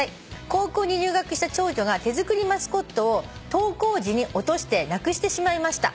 「高校に入学した長女が手作りマスコットを登校時に落としてなくしてしまいました」